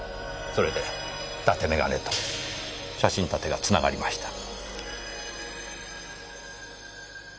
それで伊達眼鏡と写真立てがつながりました。